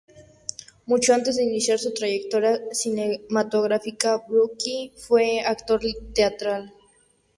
Mucho antes de iniciar su trayectoria cinematográfica, Brooke fue actor teatral.